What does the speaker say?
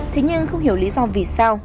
thế nhưng không hiểu lý do vì sao